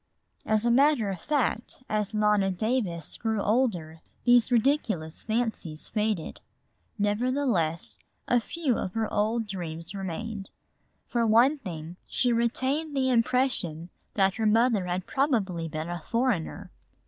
As a matter of fact, as Nona Davis grew older these ridiculous fancies faded; nevertheless, a few of her old dreams remained. For one thing, she retained the impression that her mother had probably been a foreigner.